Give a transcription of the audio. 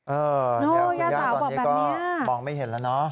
เอออย่างคุณย่าสาวหรอกคราวนี้ก็มองไม่เห็นแล้วเนอะ